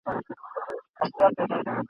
ټوله ښکلا ورڅخه واخلي !.